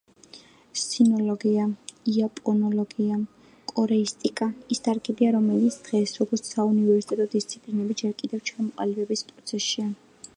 სინოლოგია, იაპონოლოგია, კორეისტიკა ის დარგებია, რომლებიც დღეს, როგორც საუნივერსიტეტო დისციპლინები ჯერ კიდევ ჩამოყალიბების პროცესშია.